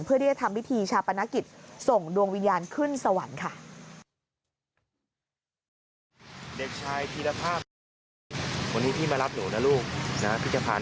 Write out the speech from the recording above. เพื่อที่จะทำพิธีชาปนกิจส่งดวงวิญญาณขึ้นสวรรค์ค่ะ